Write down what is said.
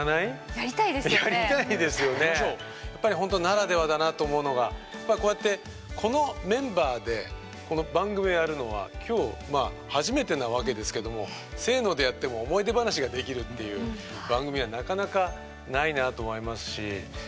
やっぱりほんとならではだなと思うのがこうやってこのメンバーでこの番組をやるのは今日初めてなわけですけどもせのでやっても思い出話ができるっていう番組はなかなかないなぁと思いますし。